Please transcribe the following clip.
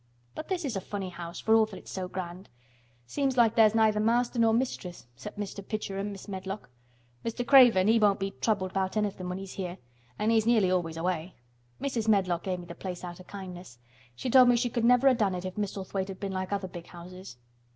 But this is a funny house for all it's so grand. Seems like there's neither Master nor Mistress except Mr. Pitcher an' Mrs. Medlock. Mr. Craven, he won't be troubled about anythin' when he's here, an' he's nearly always away. Mrs. Medlock gave me th' place out o' kindness. She told me she could never have done it if Misselthwaite had been like other big houses."